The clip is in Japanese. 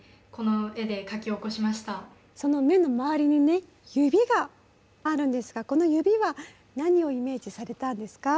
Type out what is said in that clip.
その目の周りにね指があるんですがこの指は何をイメージされたんですか？